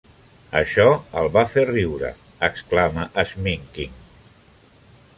Això el va fer riure, exclama Sminking.